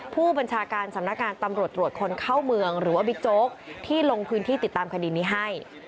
ผู้บัญชาการสำนักงานตำรวจตรวจคนเข้าเมืองหรือว่าบิ๊กโจ๊กที่ลงพื้นที่ติดตามคดีนี้ให้